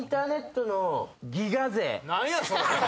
何や⁉それ！